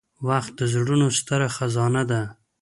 • وخت د زړونو ستره خزانه ده.